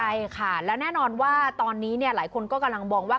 ใช่ค่ะแล้วแน่นอนว่าตอนนี้หลายคนก็กำลังมองว่า